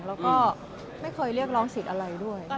แล้วก็ไม่เคยเรียกร้องสิทธิ์อะไรด้วย